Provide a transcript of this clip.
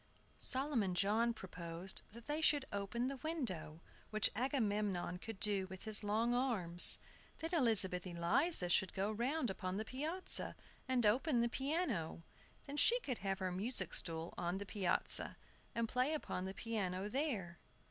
Solomon John proposed that they should open the window, which Agamemnon could do with his long arms. Then Elizabeth Eliza should go round upon the piazza, and open the piano. Then she could have her music stool on the piazza, and play upon the piano there.